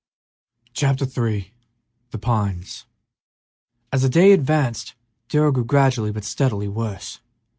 Chapter III "THE PINES" As the day advanced Darrell grew gradually but steadily worse.